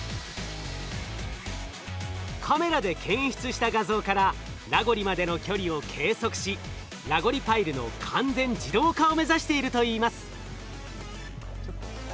カメラで検出した画像からラゴリまでの距離を計測しラゴリパイルの完全自動化を目指しているといいます。